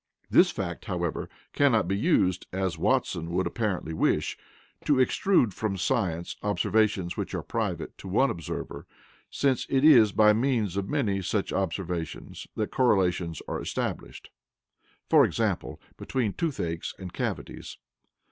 This fact, however, cannot be used, as Watson would apparently wish, to extrude from science observations which are private to one observer, since it is by means of many such observations that correlations are established, e.g. between toothaches and cavities.